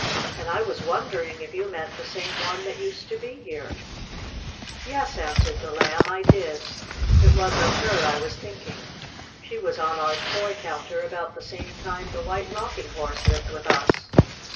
And I was wondering if you meant the same one that used to be here." "Yes," answered the Lamb, "I did. It was of her I was thinking. She was on our toy counter about the same time the White Rocking Horse lived with us."